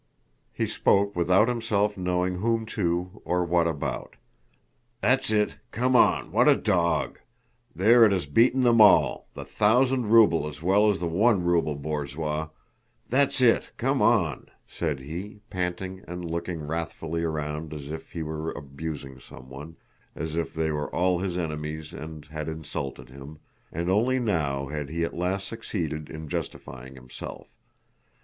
He spoke without himself knowing whom to or what about. "That's it, come on! That's a dog!... There, it has beaten them all, the thousand ruble as well as the one ruble borzois. That's it, come on!" said he, panting and looking wrathfully around as if he were abusing someone, as if they were all his enemies and had insulted him, and only now had he at last succeeded in justifying himself.